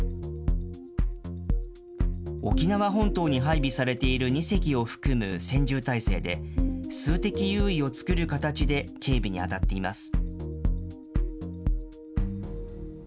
沖縄本島に配備されている２隻を含む専従体制で、数的優位を作る形で警備に当たっています。